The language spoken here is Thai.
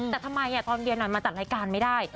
แต่ทำไมตอนเย็นหน่อยมาจัดรายการไม่ได้